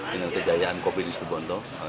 dengan kegayaan kopi di sepenuhnya